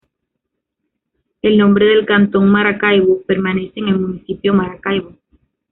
El nombre del cantón Maracaibo, permanece en el municipio Maracaibo.